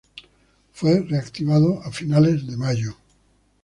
Fue reactivado a finales de mayo.